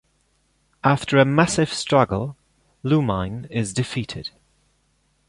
After a massive struggle, Lumine is defeated.